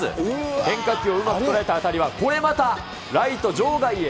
変化球をうまく捉えた当たりは、これまた、ライト場外へ。